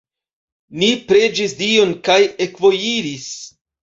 Ni preĝis Dion kaj ekvojiris.